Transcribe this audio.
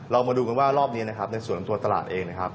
เรามาดูกันว่ารอบนี้นะครับในส่วนตัวตลาดเองนะครับ